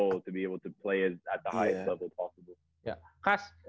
untuk bisa bermain di level tertinggi yang mungkin